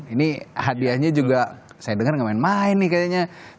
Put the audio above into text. ini hadiahnya juga saya dengar gak main main nih kayaknya